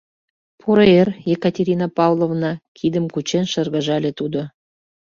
— Поро эр, Екатерина Павловна, — кидым кучен, шыргыжале тудо.